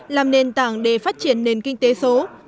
làm nền tảng để phát triển nền kinh tế số